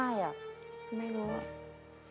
ไม่รู้